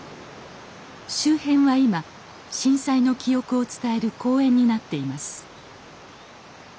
周辺は今震災の記憶を伝える公園になっています。